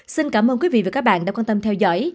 xin cảm ơn quý vị và các bạn đã quan tâm theo dõi